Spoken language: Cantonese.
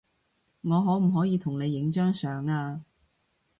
我可唔可以同你影張相呀